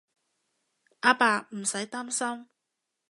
阿爸，唔使擔心